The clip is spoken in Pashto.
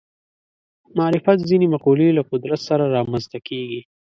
معرفت ځینې مقولې له قدرت سره رامنځته کېږي